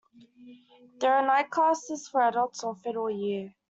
There are night classes for adults offered all year.